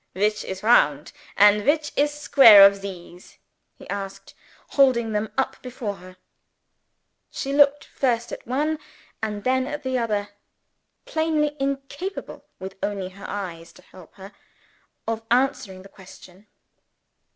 "Which is round? and which is square of these?" he asked, holding them up before her. She looked first at one, and then at the other plainly incapable (with only her eyes to help her) of answering the question.